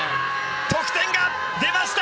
得点が出ました！